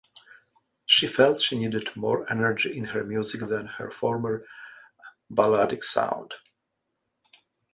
She felt she needed more energy in her music than her former balladic sound.